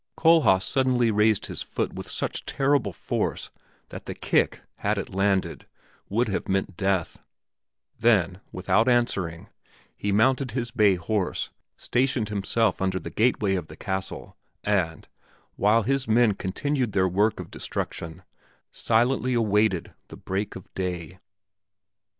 Kohlhaas suddenly raised his foot with such terrible force that the kick, had it landed, would have meant death; then, without answering, he mounted his bay horse, stationed himself under the gateway of the castle, and, while his men continued their work of destruction, silently awaited the break of day.